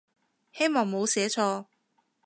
希望冇寫錯